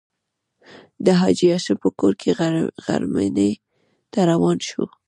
د حاجي هاشم په کور کې غرمنۍ ته روان شوو.